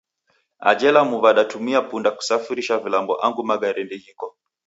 Ajhe Lamu w'adatumia punda kusafirisha vilambo angu magare ndeghiko